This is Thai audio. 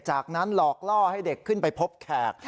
จากนั้นหลอกล่อให้เด็กขึ้นไปพบแขก